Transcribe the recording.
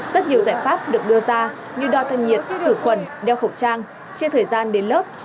rất nhiều giải pháp được đưa ra như đo thân nhiệt khử khuẩn đeo khẩu trang chia thời gian đến lớp